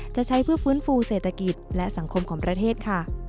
จะใช้เพื่อฟื้นฟูเศรษฐกิจและสังคมของประเทศค่ะ